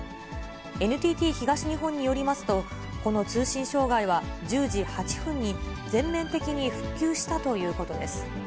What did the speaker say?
ＮＴＴ東日本によりますと、この通信障害は、１０時８分に、全面的に復旧したということです。